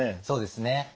そうですね。